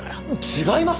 違います！